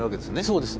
そうです。